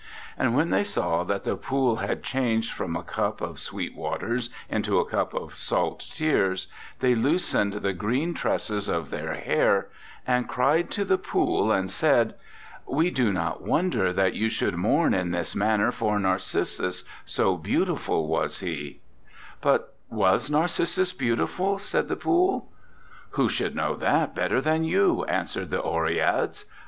"And when they saw that the pool had changed from a cup of sweet waters into a cup of salt tears, they loosened the green tresses of their hair, and cried to the pool, and said: 'We do not won 30 ANDRE GIDE der that you should mourn in this man ner for Narcissus, so beautiful was he/ '"But was Narcissus beautiful?' said the pool. '"Who should know that better than you?' answered the Oreads.